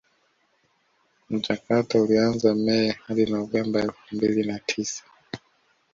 Mchakato ulianza Mei hadi Novemba elfu mbili na tisa